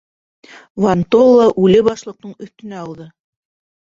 Вон-толла үле башлыҡтың өҫтөнә ауҙы.